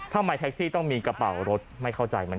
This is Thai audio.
ทำไมแท็กซี่ต้องมีกระเป๋ารถไม่เข้าใจมัน